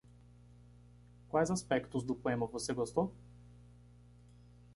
Quais aspectos do poema você gostou?